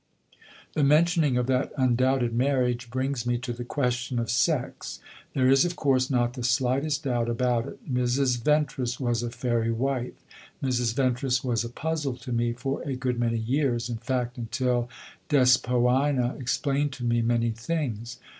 The mentioning of that undoubted marriage brings me to the question of sex. There is, of course, not the slightest doubt about it. Mrs. Ventris was a fairy wife. Mrs. Ventris was a puzzle to me for a good many years in fact until Despoina explained to me many things.